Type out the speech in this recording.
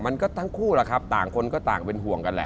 มันก็ทั้งคู่แหละครับต่างคนก็ต่างเป็นห่วงกันแหละ